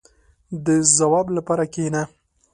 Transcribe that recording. • د ځواب لپاره کښېنه.